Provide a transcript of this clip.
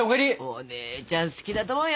お姉ちゃん好きだと思うよ。